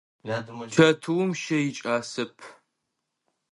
Чэтыум щэ икӏасэп.